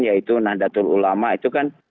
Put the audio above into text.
yaitu nahdlatul ulama itu kan